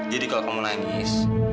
jadi kalau kamu nangis